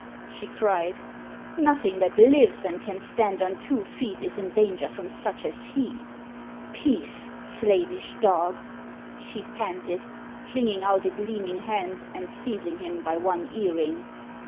she cried. "Nothing that lives and can stand on two feet is in danger from such as he. Peace, slavish dog!" she panted, flinging out a gleaming hand and seizing him by one earring.